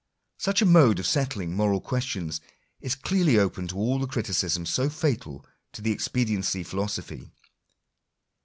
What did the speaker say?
Such a mode of settling moral questions, is clearly open to all the criticisms so fatal to the expediency philosophy.